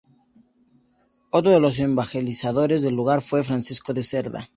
Otro de los evangelizadores del lugar fue Francisco de Cerda.